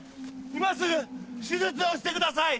今すぐ手術をしてください！